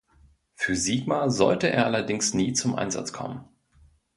Für Sigma sollte er allerdings nie zum Einsatz kommen.